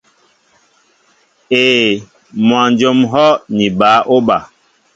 Éē, mwajóm ŋ̀hɔ́ ni bǎ óba.